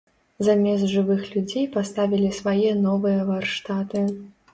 Замест жывых людзей паставілі свае новыя варштаты.